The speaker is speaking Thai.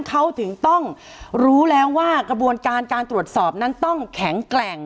เขาถึงต้องรู้แล้วว่ากระบวนการการตรวจสอบนั้นต้องแข็งแกร่ง